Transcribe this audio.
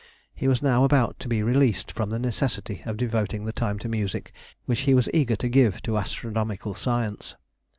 He was now about to be released from the necessity of devoting the time to music which he was eager to give to astronomical science.